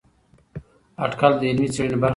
اټکل د علمي څېړنې برخه ده.